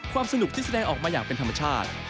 สนุกที่แสดงออกมาอย่างเป็นธรรมชาติ